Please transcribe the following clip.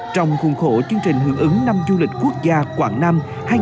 trong khuôn khổ chương trình hướng ứng năm du lịch quốc gia quảng nam hai nghìn hai mươi hai